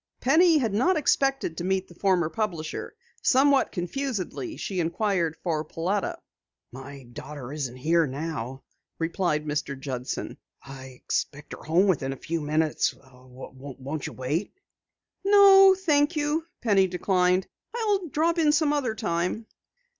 Penny had not expected to meet the former publisher. Somewhat confusedly she inquired for Pauletta. "My daughter isn't here now," replied Mr. Judson. "I expect her home within a few minutes. Won't you wait?" "No, thank you," Penny declined. "I'll drop in some other time."